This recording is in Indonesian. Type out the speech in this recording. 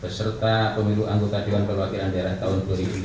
beserta pemilu anggota dewan perwakilan daerah tahun dua ribu sembilan belas